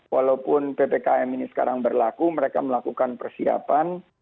walaupun ppkm ini sekarang berlaku mereka melakukan persiapan